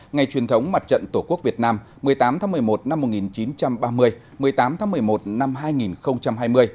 ngày truyền thống mặt trận tổ quốc việt nam một mươi tám tháng một mươi một năm một nghìn chín trăm ba mươi một mươi tám tháng một mươi một năm hai nghìn hai mươi